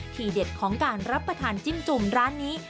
เด็ดของการรับประทานจิ้มจุ่มร้านนี้